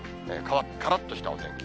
からっとしたお天気。